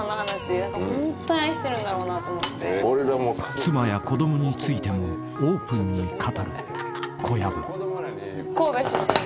［妻や子供についてもオープンに語る小籔］